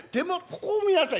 ここを見なさい！